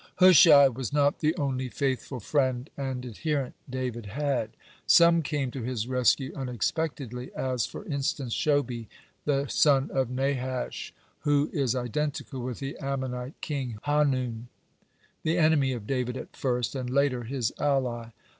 (101) Hushai was not the only faithful friend and adherent David had. Some came to his rescue unexpectedly, as, for instance, Shobi, the son of Nahash, who is identical with the Ammonite king Hanun, the enemy of David at first, and later his ally.